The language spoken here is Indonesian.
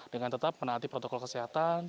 dengan tetap menaati protokol kesehatan